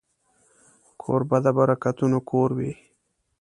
کوربه د برکتونو کور وي.